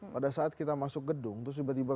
pada saat kita masuk gedung terus tiba tiba